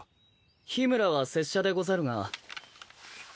緋村は拙者でござるが。